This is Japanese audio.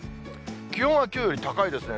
気温はきょうより高いですね。